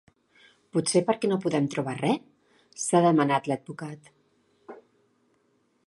Potser perquè no poden trobar res?, s’ha demanat l’advocat.